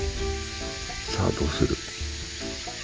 さあどうする。